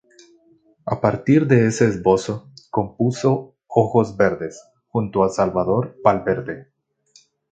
A partir de ese esbozo compuso "Ojos verdes" junto a Salvador Valverde.